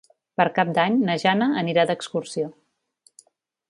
Per Cap d'Any na Jana anirà d'excursió.